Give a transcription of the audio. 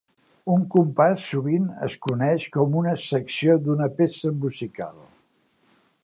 Un compàs sovint es coneix com una "secció" d'una peça musical.